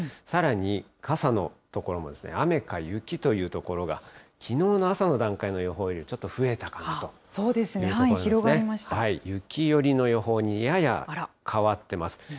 さらに傘の所も、雨か雪という所がきのうの朝の段階の予報よりちょっと増えたかなそうですね、範囲広がりまし雪よりの予報にやや変わってます。